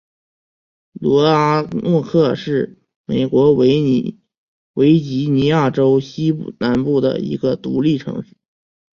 罗阿诺克是美国维吉尼亚州西南部的一个独立城市。